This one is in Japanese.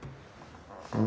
うん。